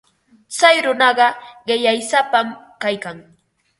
Tsay runaqa qillaysapam kaykan.